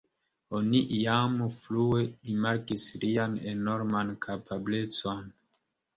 Oni jam frue rimarkis lian enorman kapablecon.